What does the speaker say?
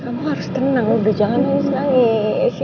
kamu harus tenang udah jangan nangis nangis ya